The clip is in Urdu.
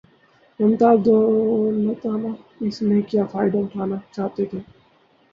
ممتاز دولتانہ اس سے کیا فائدہ اٹھانا چاہتے تھے؟